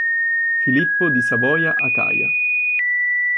Filippo di Savoia-Acaia